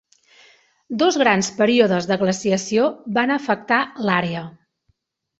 Dos grans períodes de glaciació van afectar l'àrea.